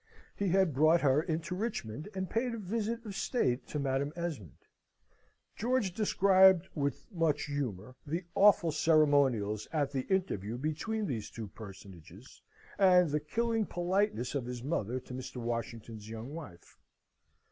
He had brought her into Richmond, and paid a visit of state to Madam Esmond. George described, with much humour, the awful ceremonials at the interview between these two personages, and the killing politeness of his mother to Mr. Washington's young wife.